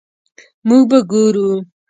مونږ به ګورو